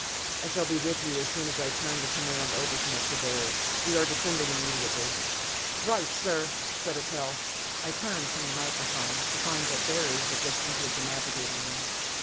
I shall be with you as soon as I turn the command over to Mr. Barry. We are descending immediately." "Right, sir!" said Eitel. I turned from the microphone to find that Barry had just entered the navigating room.